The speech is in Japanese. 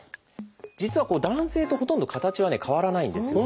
実は男性とほとんど形は変わらないんですよね。